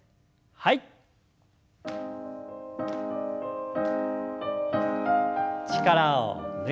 はい。